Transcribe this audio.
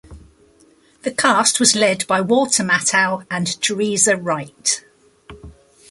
The cast was led by Walter Matthau and Teresa Wright.